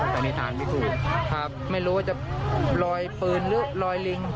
สันนิทานไม่ถูกไม่รู้ว่าจะลอยปืนหรือลอยลิง